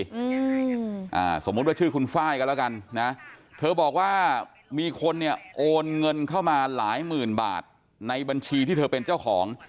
อืมอ่าสมมุติว่าชื่อคุณไฟล์กันแล้วกันนะเธอบอกว่ามีคนเนี่ยโอนเงินเข้ามาหลายหมื่นบาทในบัญชีที่เธอเป็นเจ้าของ